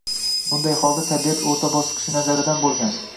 Bunday holda, tabiat o'rta bosqichi nazaridan bo'lgan